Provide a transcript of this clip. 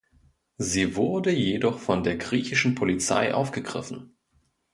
Sie wurde jedoch von der griechischen Polizei aufgegriffen.